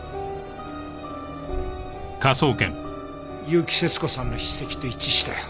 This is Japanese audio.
結城節子さんの筆跡と一致したよ。